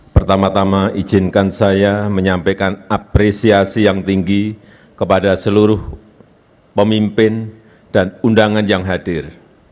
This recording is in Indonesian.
pertama tama izinkan saya menyampaikan apresiasi yang tinggi kepada seluruh pemimpin dan undangan yang hadir